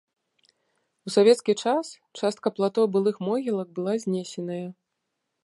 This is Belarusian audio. У савецкі час частка плато былых могілак была знесеная.